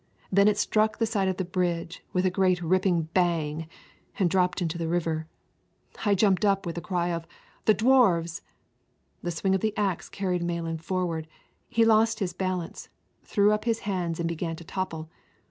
Then it struck the side of the bridge with a great ripping bang, and dropped into the river. I jumped up with a cry of "the Dwarfs!" The swing of the axe carried Malan forward. He lost his balance, threw up his hands and began to topple.